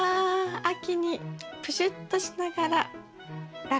秋にプシュッとしながらラッカセイ。